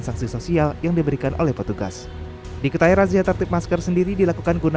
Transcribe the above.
sanksi sosial yang diberikan oleh petugas diketahui razia tertip masker sendiri dilakukan guna